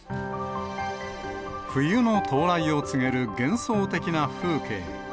冬の到来を告げる、幻想的な風景。